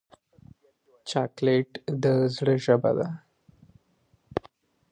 چاکلېټ د زړه ژبه ده.